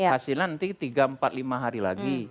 hasilnya nanti tiga empat lima hari lagi